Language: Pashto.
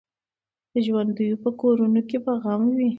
د ژوندیو په کورونو کي به غم وي